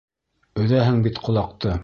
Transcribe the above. Өҙәһең бит ҡолаҡты!